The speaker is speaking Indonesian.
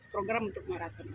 program untuk maraton